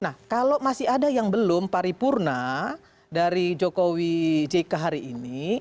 nah kalau masih ada yang belum paripurna dari jokowi jk hari ini